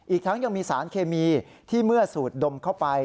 อีกทั้งยังมีสารเคมีที่เมื่อสูดดมเข้าไป